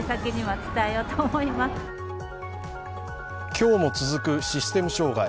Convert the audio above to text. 今日も続く、システム障害。